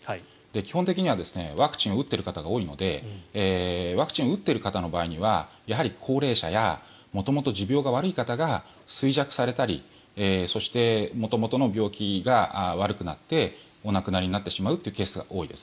基本的にはワクチンを打っている方が多いのでワクチンを打っている方の場合には、やはり高齢者や元々、持病が悪い方が衰弱されたりそして、元々の病気が悪くなってお亡くなりになるケースが多いです。